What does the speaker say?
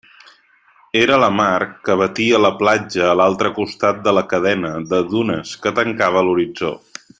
Era la mar, que batia la platja a l'altre costat de la cadena de dunes que tancava l'horitzó.